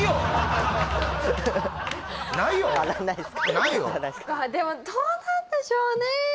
ないですかでもどうなんでしょうね